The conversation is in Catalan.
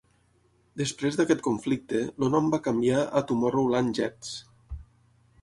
Després d'aquest conflicte, el nom va canviar a Tomorrowland Jets.